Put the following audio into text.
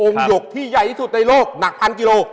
หยกที่ใหญ่ที่สุดในโลกหนักพันกิโล